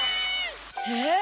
えっ？